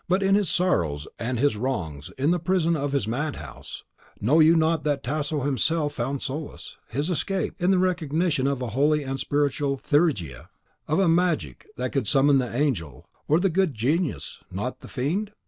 "But in his sorrows and his wrongs, in the prison of his madhouse, know you not that Tasso himself found his solace, his escape, in the recognition of a holy and spiritual Theurgia, of a magic that could summon the Angel, or the Good Genius, not the Fiend?